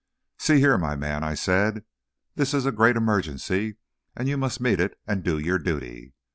"See here, my man," I said, "this is a great emergency and you must meet it and do your duty.